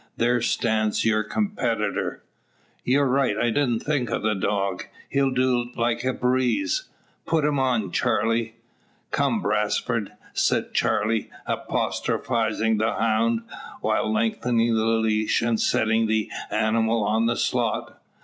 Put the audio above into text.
There stands your competitor." "You're right; I didn't think o' the dog. He'll do it like a breeze. Put him on, Charley!" "Come, Brasfort!" says Clancy, apostrophising the hound, while lengthening the leash, and setting the animal on the slot.